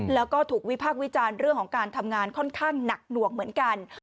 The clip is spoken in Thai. แล้วก็ถูกวิพากษ์วิจารณ์เรื่องของการทำงานค่อนข้างหนักหน่วงเหมือนกัน